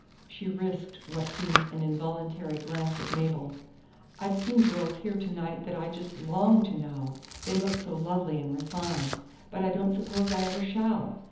She risked what seemed an involuntary glance at Mabel. "I've seen girls here to night that I just LONG to know they look so lovely and refined but I don't suppose I ever shall.